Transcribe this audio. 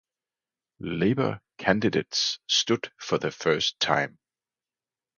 Labour candidates stood for the first time.